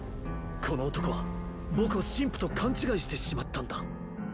この男はぼくを神父と勘ちがいしてしまったんだ。